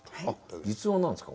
実話なんですか？